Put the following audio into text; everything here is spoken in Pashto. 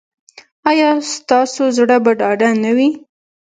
ایا ستاسو زړه به ډاډه نه وي؟